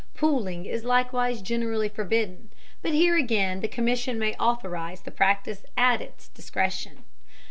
Pooling is likewise generally forbidden, but here again the Commission may authorize the practice at its discretion.